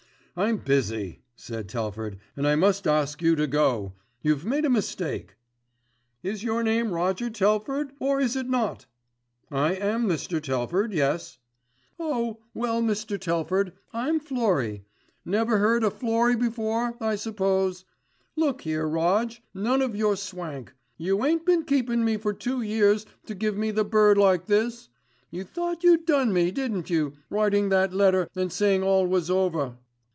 "I'm busy," said Telford, "and I must ask you to go. You've made a mistake." "Is your name Roger Telford, or is it not?" "I am Mr. Telford, yes." "Oh! well, Mr. Telford, I'm Florrie. Never heard o' Florrie before, I suppose. Look here Roj., none of your swank. You ain't been keepin' me for two years to give me the bird like this. You thought you'd done me, didn't you, writing that letter and saying all was over."